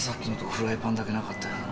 フライパンだけなかったんやろう。